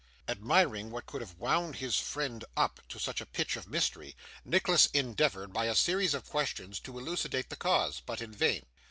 Admiring what could have wound his friend up to such a pitch of mystery, Nicholas endeavoured, by a series of questions, to elucidate the cause; but in vain.